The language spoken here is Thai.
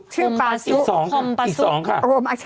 ชื่อปาซุอีกสองค่ะ